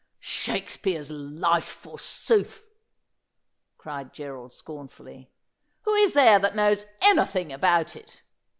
149 ' Shakespeare's life, forsooth !' cried Gerald scornfully. ' Who is there that knows anything about it